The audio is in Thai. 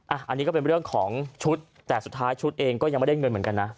อันนี้ก็เป็นเรื่องของชุดแต่สุดท้ายชุดเองก็ยังไม่ได้เงินเหมือนกันนะ